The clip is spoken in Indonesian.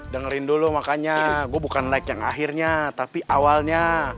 dengerin dulu makanya gue bukan like yang akhirnya tapi awalnya